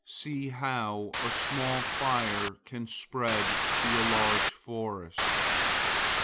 See how a small fire can spread to a large forest!